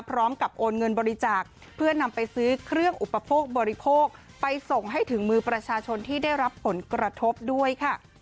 โอนเงินบริจาคเพื่อนำไปซื้อเครื่องอุปโภคบริโภคไปส่งให้ถึงมือประชาชนที่ได้รับผลกระทบด้วยค่ะ